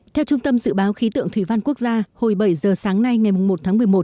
theo trung tâm dự báo khí tượng thủy văn quốc gia hồi bảy giờ sáng nay ngày một tháng một mươi một